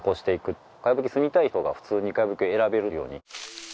茅葺き住みたい人が普通に茅葺きを選べるように。